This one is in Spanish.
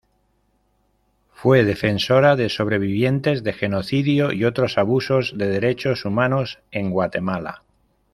Fue defensora de sobrevivientes de genocidio y otros abusos de derechos humanos en Guatemala.